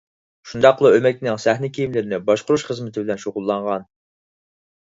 شۇنداقلا ئۆمەكنىڭ سەھنە كىيىملىرىنى باشقۇرۇش خىزمىتى بىلەن شۇغۇللانغان.